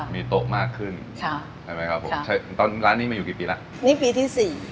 มีโต๊ะมากขึ้นค่ะใช่ไหมครับผมใช่ตอนร้านนี้มาอยู่กี่ปีแล้วนี่ปีที่สี่